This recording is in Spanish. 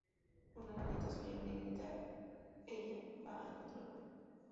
Una nieta suya, negrita ella, va a encontrar el amor.